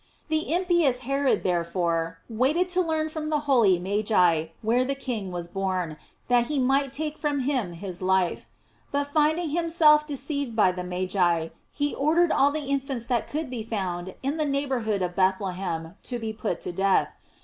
f The ^mpious Herod, therefore, waited to learn from tho holy magi where the King was born, that he ra/ght take from him his life; but finding himself de ceived by the magi, he ordered all the infants that could be found in the neighborhood of Bethlehem to be put to death.